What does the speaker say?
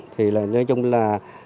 thì nơi chung là